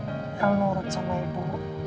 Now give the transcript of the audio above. iya el nurut sama ibu